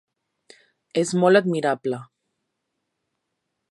És molt admirable".